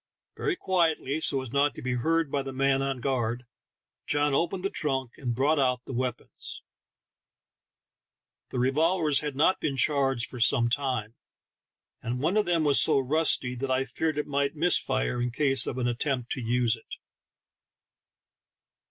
Very quietly, so as not to be heard by the man on guard, John opened the trunk and brought out the weapons ; the revolvers had not been charged for some time, and one of them was so rusty that I feared it might miss fire in case of an attempt to use it.